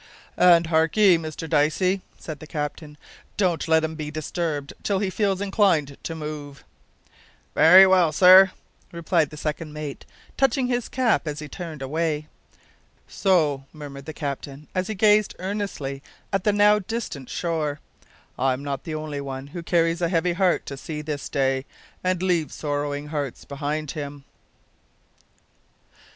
"And hark'ee, Mr Dicey," said the captain, "don't let him be disturbed till he feels inclined to move." "Very well, sir," replied the second mate, touching his cap as he turned away. "So," murmured the captain, as he gazed earnestly at the now distant shore, "I'm not the only one who carries a heavy heart to sea this day and leaves sorrowing hearts behind him."